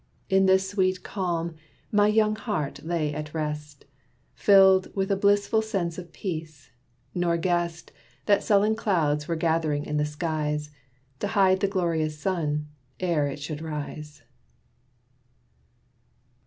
In this sweet calm, my young heart lay at rest, Filled with a blissful sense of peace; nor guessed That sullen clouds were gathering in the skies To hide the glorious sun, ere it should rise.